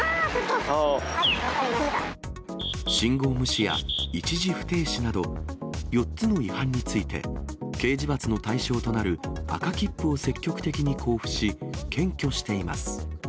信号無視や一時不停止など、４つの違反について、刑事罰の対象となる赤切符を積極的に交付し、検挙しています。